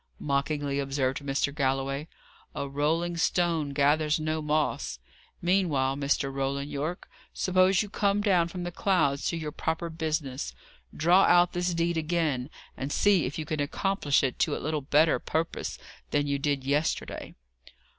mockingly observed Mr. Galloway, "a rolling stone gathers no moss. Meanwhile, Mr. Roland Yorke, suppose you come down from the clouds to your proper business. Draw out this deed again, and see if you can accomplish it to a little better purpose than you did yesterday."